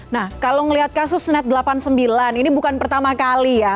nah kalau melihat kasus net delapan puluh sembilan ini bukan pertama kali ya